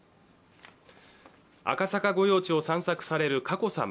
赤坂御用地を散策される佳子さま。